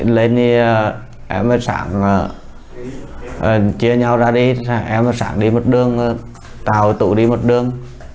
lên em với sảng chia nhau ra đi em với sảng đi một đường tào với tụ đi một đường